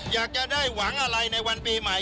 อยากจะได้หวังอะไรในวันปีใหม่